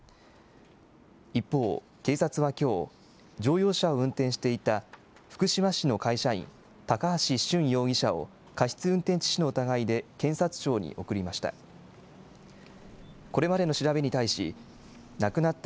一方、警察はきょう、乗用車を運転していた福島市の会社員、高橋俊容疑者を過失運転致死の疑いで検察庁に送りました。